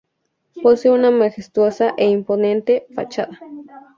Posee una majestuosa e imponente fachada.